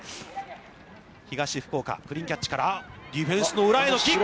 東福岡、クリーンキャッチからディフェンスの裏へのキック。